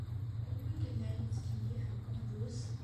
Anwa ay yellan yettkeyyif deg ubduz?